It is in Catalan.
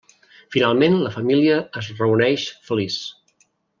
Finalment la família es reuneix feliç.